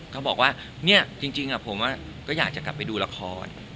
เขาบอกว่าเนี่ยจริงผมก็อยากจะกลับไปดูละคร